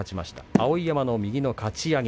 碧山、右のかち上げ。